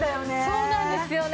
そうなんですよね。